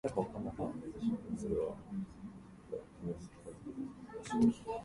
それは間違いない。場所が思い出せない。どこか遠くを目指して歩いていったはずだ。